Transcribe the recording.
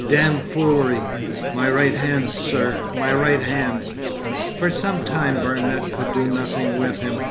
Damned foolery! My right hand, sir! My right hand!' For some time Barnet could do nothing with him.